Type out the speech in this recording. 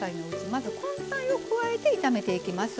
まず、根菜を加えて炒めていきます。